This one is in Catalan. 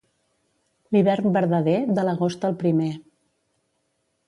L'hivern verdader, de l'agost el primer.